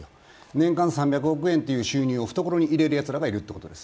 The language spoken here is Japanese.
年間３００億円という収入を懐に入れるやつらがいるということです。